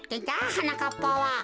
はなかっぱは。